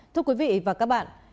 thưa quý vị và các bạn